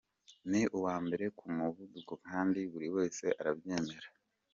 Ni uwa mbere ku muvuduko kandi buri wese arabyemera.